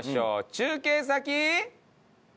中継先。